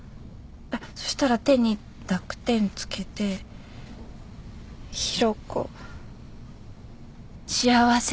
そしたら「て」に濁点付けて「紘子幸せで」